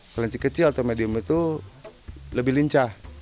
kelinci kecil atau medium itu lebih lincah